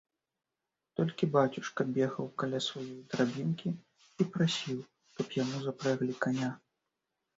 Толькі бацюшка бегаў каля сваёй драбінкі і прасіў, каб яму запрэглі каня.